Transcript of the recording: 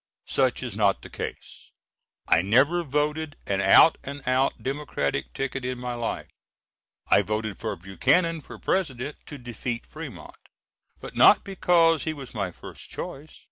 Such is not the case. I never voted an out and out Democratic ticket in my life. I voted for Buchanan for President to defeat Fremont, but not because he was my first choice.